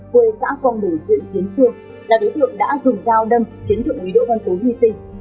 quê xã quang bình huyện tiến xương là đối tượng đã dùng dao đâm khiến thượng quý đỗ văn tú hy sinh